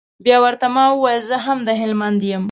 بيا ورته ما وويل زه هم د هلمند يم.